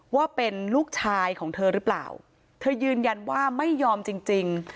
ว่าเป็นลูกชายของเธอหรือเปล่าเธอยืนยันว่าไม่ยอมจริงจริง